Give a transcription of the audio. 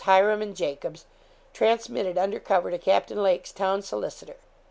Hiram and Jacobs, transmitted under cover to Captain Lake's town solicitor.